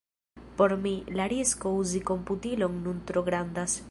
Por mi, la risko uzi komputilon nun tro grandas.